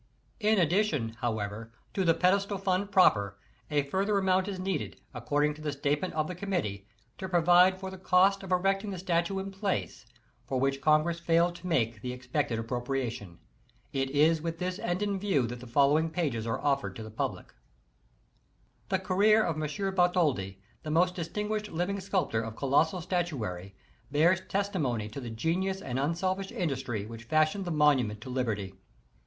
In addition, howe\'er, to the pedestal fund proper, a further amount is needed, according to the statement of the committee, to provide for the cost of erecting the statue in place, for which Congress failed to make the expected appropriation. It is with this end in view that the following pages are offered to. the public. The career of ]\I. Bartholdi, the most distinguished living sculptor of colossal statuary, bears testimony to the genius and unselfish industry which fashioned the Monument to Liberty.